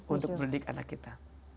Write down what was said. untuk didik anak kita